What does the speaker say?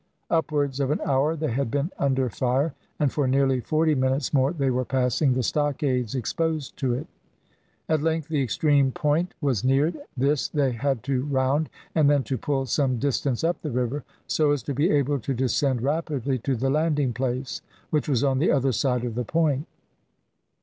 Upwards of an hour they had been under fire, and for nearly forty minutes more they were passing the stockades exposed to it. At length the extreme point was neared; this they had to round, and then to pull some distance up the river, so as to be able to descend rapidly to the landing place, which was on the other side of the point.